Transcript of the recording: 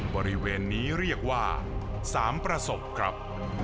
บริเวณนี้เรียกว่า๓ประสบครับ